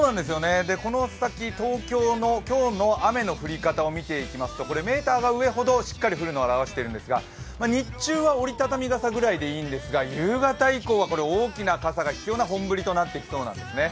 この先、東京の今日の雨の降り方を見てみますと、メーターが上ほどしっかり降るのを表しているんですが、日中は折り畳み傘ぐらいでいいんですが、夕方以降は大きな傘が必要な本降りとなってきそうなんですね。